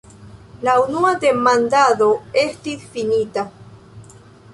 La unua demandado estis finita.